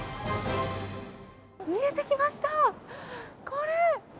見えてきました、これ！